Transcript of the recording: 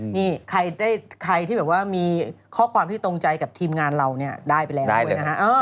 นี่ใครที่บอกว่ามีข้อความที่ตรงใจกับทีมงานเราได้ไปแล้วนะฮะ